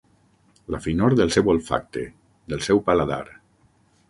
La finor del seu olfacte, del seu paladar.